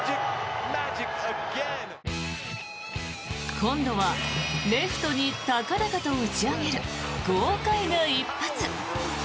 今度はレフトに高々と打ち上げる豪快な一発。